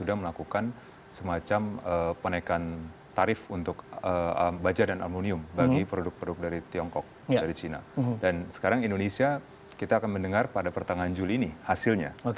dan sekarang indonesia kita akan mendengar pada pertengahan juli ini hasilnya